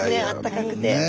あったかくて。